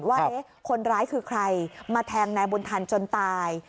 ว่าคนร้ายคือใครมาแทงนายบุญทันจนตาย